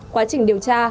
quá trình điều tra